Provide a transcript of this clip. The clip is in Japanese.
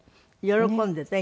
喜んでた？